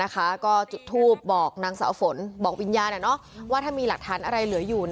ก็จุดทูปบอกนางสาวฝนบอกวิญญาณว่าถ้ามีหลักฐานอะไรเหลืออยู่